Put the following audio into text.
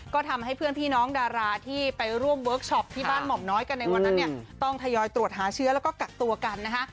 ก็ทำให้เพื่อนพี่น้องดาราที่ไปร่วมเวิร์คชอปที่บ้านหม่อมน้อยกันในวันนั้นเนี่ยต้องทยอยตรวจหาเชื้อแล้วก็กักตัวกันนะคะ